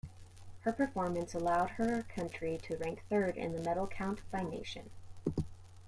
Her performance allowed her country to rank third in the medal count by nation.